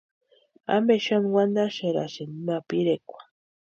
¿Ampe xani wantaxerasïni ma pirekwa?